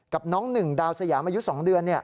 กับน้องหนึ่งดาวสยามอายุ๒เดือน